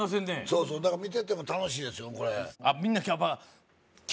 そうだから見てても楽しいですよ